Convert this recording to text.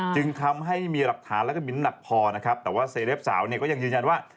จึงทำให้ไม่มีหลักฐานและมีน้ำหนักพอแต่ว่าเซเลฟสาวยังยืนยันว่า